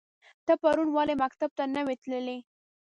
ته پرون ولی مکتب ته نه وی تللی؟